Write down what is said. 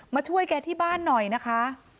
มาช่วยแกที่บ้านหน่อยนะคะ